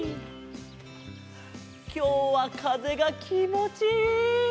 きょうはかぜがきもちいい！